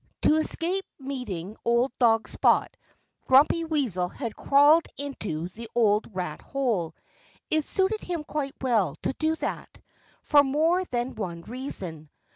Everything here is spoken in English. To escape meeting old dog Spot, Grumpy Weasel had crawled into the old rat hole. It suited him quite well to do that, for more than one reason.